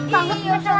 bangun ya sorry